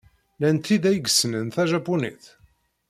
Llant tid ay yessnen tajapunit?